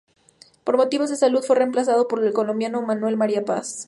Por motivos de salud fue reemplazado por el colombiano Manuel María Paz.